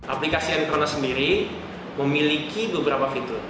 aplikasi n corona sendiri memiliki beberapa fitur